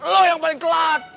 lu yang paling telat